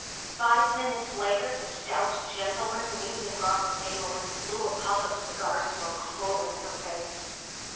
Five minutes later the stout gentleman leaned across the table and blew a puff of cigar smoke full in her face.